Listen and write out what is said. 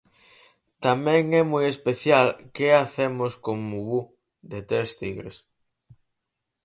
Tamén é moi especial "Que hacemos con Ubú?", de Tres Tigres.